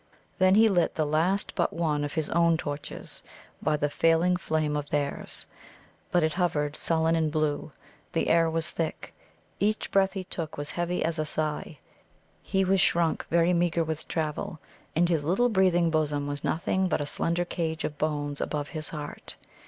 Then he lit the last but one of his own torches by the failing flame of theirs. But it hovered sullen and blue. The air was thick. Each breath he took was heavy as a sigh. He was shrunk very meagre with travel, and his little breathing bosom was nothing but a slender cage of bones above his heart.